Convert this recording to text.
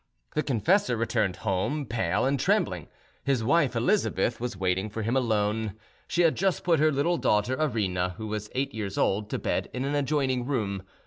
The confessor returned home, pale and trembling. His wife Elizabeth was waiting for him alone. She had just put her little daughter Arina, who was eight years old, to bed in an adjoining room.